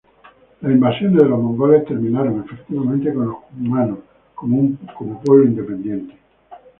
Las invasiones de los mongoles terminaron efectivamente con los cumanos como un pueblo independiente.